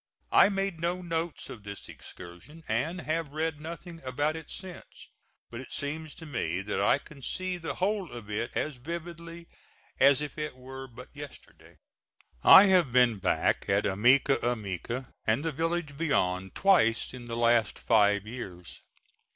I made no notes of this excursion, and have read nothing about it since, but it seems to me that I can see the whole of it as vividly as if it were but yesterday. I have been back at Ameca Ameca, and the village beyond, twice in the last five years.